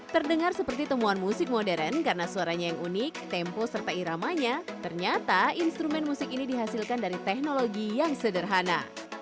terdengar seperti temuan musik modern karena suaranya yang unik tempo serta iramanya ternyata instrumen musik ini dihasilkan dari teknologi yang sederhana